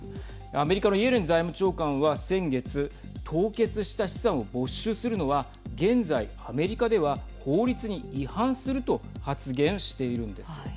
アメリカのイエレン財務長官は先月凍結した資産を没収するのは現在アメリカでは法律に違反すると発言しているんです。